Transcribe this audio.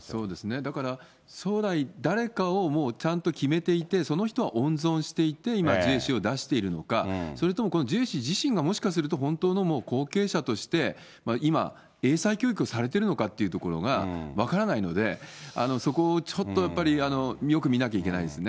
だから将来、誰かをもうちゃんと決めていて、その人は温存していて今、ジュエ氏を出しているのか、それともこのジュエ氏自身がもしかすると本当のもう後継者として今、英才教育をされているのかというところが分からないので、そこをちょっとやっぱり、よく見なきゃいけないですね。